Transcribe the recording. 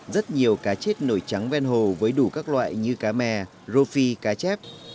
rất nhiều cá chết nổi trắng ven hồ với đủ các loại như cá mè ru phi cá chép